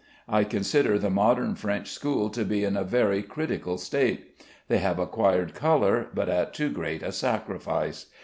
I consider the modern French school to be in a very critical state. They have acquired color, but at too great a sacrifice.